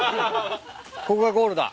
ここがゴールだ。